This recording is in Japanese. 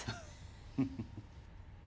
フフフ。